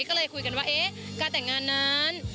ก็เลยคุยกันว่าเอ๊ะการแต่งงานนั้น